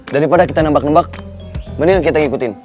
daripada kita nembak nembak mending kita ngikutin